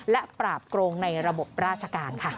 และปราบโกงในระบบราชการค่ะ